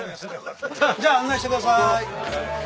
じゃあ案内してください。